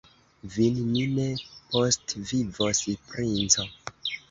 Vin mi ne postvivos, princo!